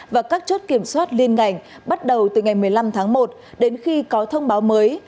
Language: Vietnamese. và các chốt kiểm soát liên ngành bắt đầu từ ngày một mươi năm tháng một đến khi có thông báo mới